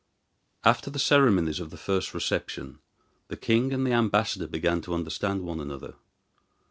After the ceremonies of the first reception the king and the ambassador began to understand one another.